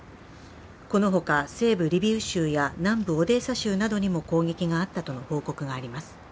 このほか、西部リビウ州や南部オデーサ州などにも攻撃があったとの報告があります。